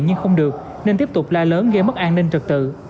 nhưng không được nên tiếp tục la lớn gây mất an ninh trật tự